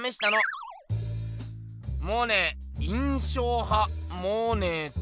モネ印象派モネと。